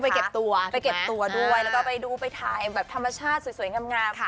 เก็บตัวไปเก็บตัวด้วยแล้วก็ไปดูไปถ่ายแบบธรรมชาติสวยงาม